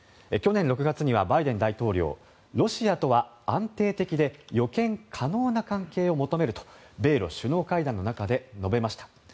去年６月にはバイデン大統領ロシアとは安定的で予見可能な関係を求めると米ロ首脳会談の中で述べました。